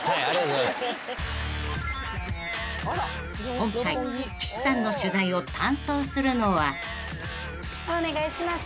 ［今回岸さんの取材を担当するのは］お願いします。